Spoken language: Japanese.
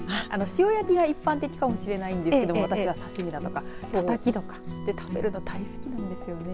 塩焼きが一般的かもしれないんですけど私は刺し身だとか、たたきで食べるのが大好きなんです。